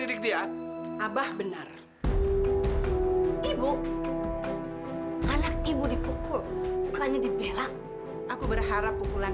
kita cari jurang